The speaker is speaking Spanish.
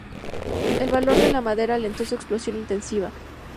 El valor de la madera alentó su explotación intensiva.